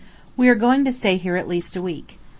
We are going to stay here at least a week.